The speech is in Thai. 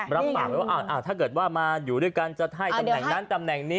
รับปากไว้ว่าถ้าเกิดว่ามาอยู่ด้วยกันจะให้ตำแหน่งนั้นตำแหน่งนี้